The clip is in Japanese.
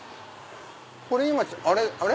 これ今あれ？